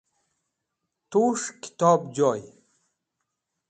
Tuwes̃h Kitob Joy